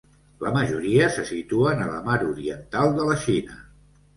La majoria se situen a la mar Oriental de la Xina.